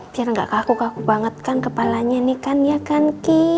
biar gak kaku kaku banget kan kepalanya ini kan ya kan ki